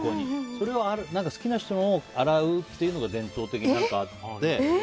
それを好きな人のを洗うのが伝統的にあって。